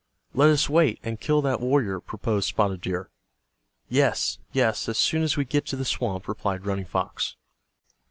"Let us wait, and kill that warrior," proposed Spotted Deer. "Yes, yes, as soon as we get to the swamp," replied Running Fox.